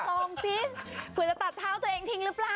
ลองซิเผื่อจะตัดเท้าตัวเองทิ้งหรือเปล่า